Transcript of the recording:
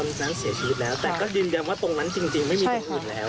ตรงนั้นเสียชีวิตแล้วแต่ก็ยืนยันว่าตรงนั้นจริงไม่มีตรงอื่นแล้ว